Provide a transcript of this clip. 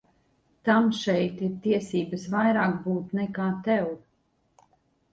Tam šeit ir tiesības vairāk būt nekā tev.